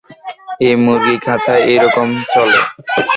এই মুরগির খাঁচা এরকমই চলে।